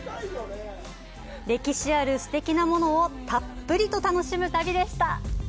歴史ある、すてきなものをたっぷりと楽しむ旅でした！